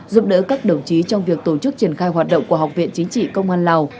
giúp đỡ các đồng chí trong việc tổ chức triển khai hoạt động của học viện chính trị công an lào